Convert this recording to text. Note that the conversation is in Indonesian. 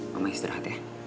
mama istirahat ya